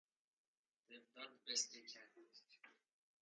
They have done the best they can.